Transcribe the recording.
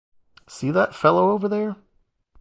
See that fellow over there?